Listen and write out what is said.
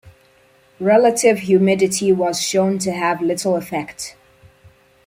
Relative humidity was shown to have little effect.